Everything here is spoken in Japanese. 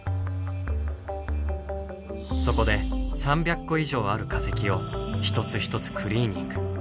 そこで３００個以上ある化石を一つ一つクリーニング。